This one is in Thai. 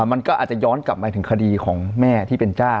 มันก็อาจจะย้อนกลับมาถึงคดีของแม่ที่เป็นเจ้า